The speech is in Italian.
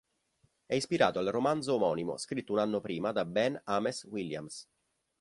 È ispirato al romanzo omonimo scritto un anno prima da Ben Ames Williams.